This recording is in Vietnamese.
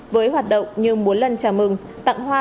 với hoạt động như bốn lần chào mừng tặng hoa